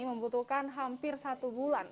membutuhkan hampir satu bulan